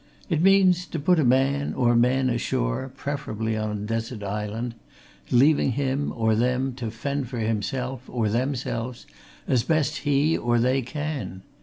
It means to put a man, or men, ashore, preferably on a desert island, leaving him, or them, to fend for himself, or themselves, as best he, or they, can!